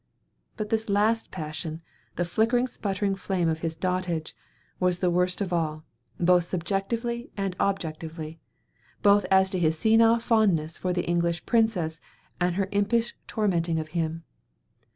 But this last passion the flickering, sputtering flame of his dotage was the worst of all, both subjectively and objectively; both as to his senile fondness for the English princess and her impish tormenting of him.